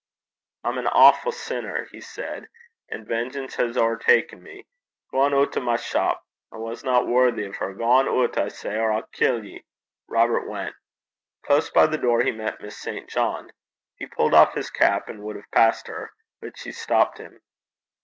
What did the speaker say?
'I'm an awfu' sinner,' he said, 'and vengeance has owerta'en me. Gang oot o' my chop! I wasna worthy o' her. Gang oot, I say, or I'll kill ye.' Robert went. Close by the door he met Miss St. John. He pulled off his cap, and would have passed her. But she stopped him.